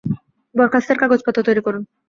বরখাস্তের কাগজপত্র তৈরি করুন।